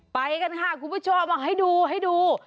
ไปกันค่ะคุณผู้ชมเอาให้ดู